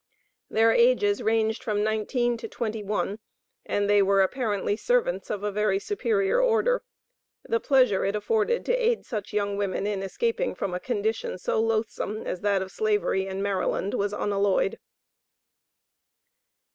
Their ages ranged from nineteen to twenty one, and they were apparently "servants" of a very superior order. The pleasure it afforded to aid such young women in escaping from a condition so loathsome as that of Slavery in Maryland, was unalloyed.